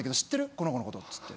この子のこと」つって。